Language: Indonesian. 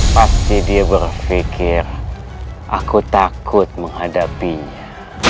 pasti dia berpikir aku takut menghadapinya